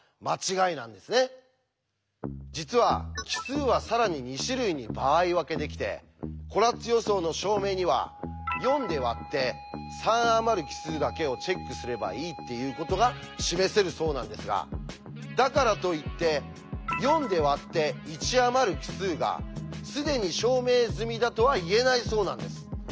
実は奇数は更に２種類に場合分けできてコラッツ予想の証明には４で割って３あまる奇数だけをチェックすればいいっていうことが示せるそうなんですがだからといって４で割って１あまる奇数が既に証明済みだとは言えないそうなんです。